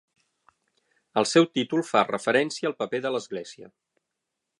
El seu títol fa referència al paper de l'Església.